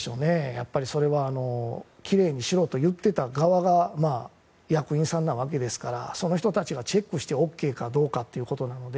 やっぱり、きれいにしろと言ってた側が役員さんなわけですからその人たちがチェックしてＯＫかどうかということなので